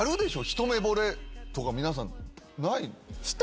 一目ぼれとか皆さんない？